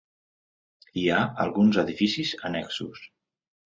Hi ha alguns edificis annexos.